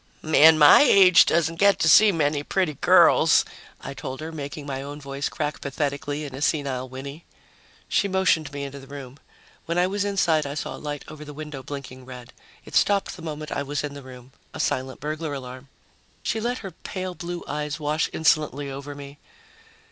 "A man my age doesn't get to see many pretty girls," I told her, making my own voice crack pathetically in a senile whinny. She motioned me into the room. When I was inside, I saw a light over the window blinking red. It stopped the moment I was in the room. A silent burglar alarm. She let her pale blue eyes wash insolently over me.